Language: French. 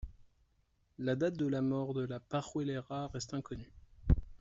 La date de la mort de la Pajuelera reste inconnue.